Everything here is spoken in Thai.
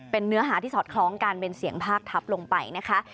เป็นเนื้อหาที่สอดคล้องกันเป็นเสียงภาคทับลงไปนะคะ